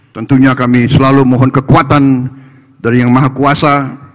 tentunya kami selalu mohon kekuatan dari yang maha kuasa